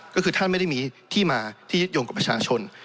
ก็คือท่านไม่ได้มีที่มาที่ยึดโยงกับประชาชน